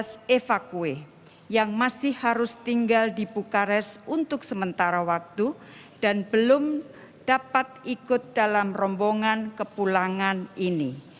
enam belas evakue yang masih harus tinggal di bukares untuk sementara waktu dan belum dapat ikut dalam rombongan kepulangan ini